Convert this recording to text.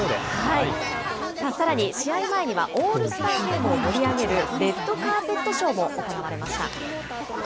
さらに、試合前にはオールスターゲームを盛り上げるレッドカーペットショーも行われました。